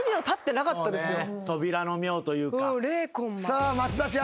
さあ松田ちゃん。